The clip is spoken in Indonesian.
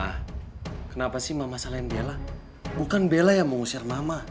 ma kenapa sih mama salahin bella bukan bella yang mengusir mama